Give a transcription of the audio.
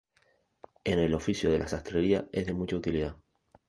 En el oficio de la sastrería es de mucha utilidad.